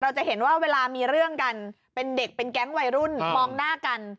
จะเห็นว่าเวลามีเรื่องกันเป็นเด็กเป็นแก๊งวัยรุ่นมองหน้ากัน